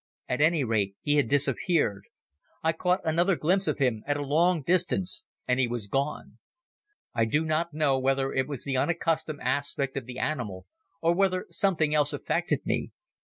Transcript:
At any rate, he had disappeared. I caught another glimpse of him at a long distance and he was gone. I do not know whether it was the unaccustomed aspect of the animal or whether something else affected me.